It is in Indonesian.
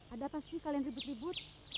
ada apa sih kalian ribut ribut